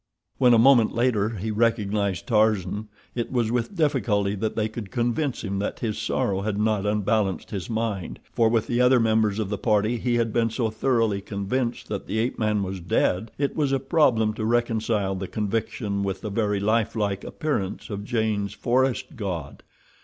When a moment later he recognized Tarzan it was with difficulty that they could convince him that his sorrow had not unbalanced his mind, for with the other members of the party he had been so thoroughly convinced that the ape man was dead it was a problem to reconcile the conviction with the very lifelike appearance of Jane's "forest god."